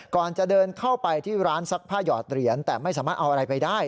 ก่อนจะเดินเข้าไปที่ร้านซักผ้าหยอดเหรียญแต่ไม่สามารถเอาอะไรไปได้